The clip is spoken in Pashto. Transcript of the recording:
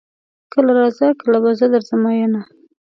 کله راځه کله به زه درځم ميينه